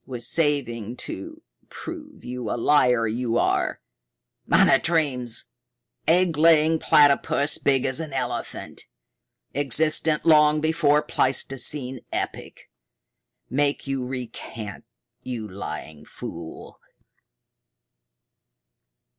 Was saving to prove you the liar you are. Monotremes egg laying platypus big as an elephant existent long before pleistocene epoch make you recant, you lying fool!"